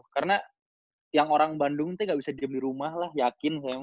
karena yang orang bandung entah gak bisa diem di rumah lah yakin saya emang